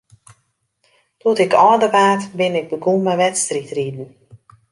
Doe't ik âlder waard, bin ik begûn mei wedstriidriden.